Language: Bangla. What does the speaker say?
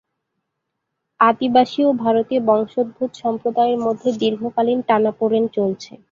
আদিবাসী ও ভারতীয়-বংশোদ্ভূত সম্প্রদায়ের মধ্যে দীর্ঘকালীন টানাপোড়েন চলছে।